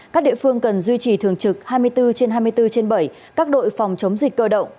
các địa phương cần duy trì thường trực hai mươi bốn trên hai mươi bốn trên bảy các đội phòng chống dịch cơ động